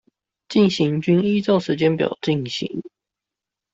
進行均依照時間表進行